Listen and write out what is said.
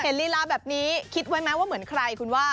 ลีลาแบบนี้คิดไว้ไหมว่าเหมือนใครคุณว่า